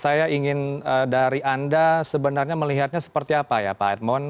saya ingin dari anda sebenarnya melihatnya seperti apa ya pak edmond